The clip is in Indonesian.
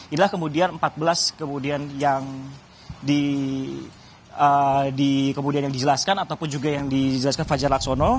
inilah kemudian empat belas kemudian yang dijelaskan ataupun juga yang dijelaskan fajar laksono